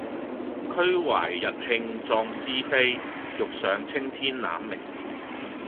俱懷逸興壯思飛，欲上青天攬明月